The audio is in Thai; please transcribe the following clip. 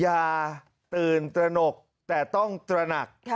อย่าตื่นตระหนกแต่ต้องตระหนัก